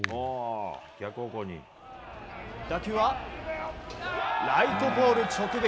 打球はライトポール直撃！